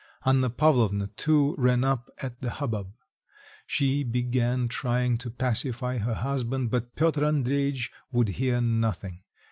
Anna Pavlovna too ran up at the hubbub. She began trying to pacify her husband, but Piotr Andreitch would hear nothing.